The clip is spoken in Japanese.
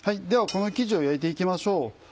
この生地を焼いて行きましょう。